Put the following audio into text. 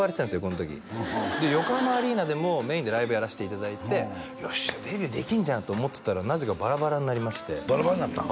この時で横浜アリーナでもメインでライブやらせていただいて「よしデビューできんじゃん」って思ってたらなぜかバラバラになりましてバラバラになったん？